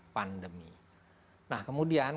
pandemi nah kemudian